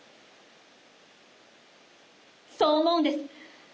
そう思うんです。